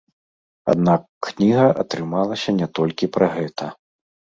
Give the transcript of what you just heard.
Аднак кніга атрымалася не толькі пра гэта.